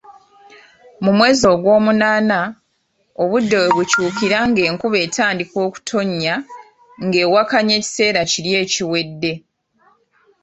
Mu mwezi ogwomunaana obudde we bwakyukiranga enkuba n'etandika okutonya ng'ewakanya ekiseera kiri ekiwedde.